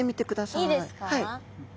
いいですか？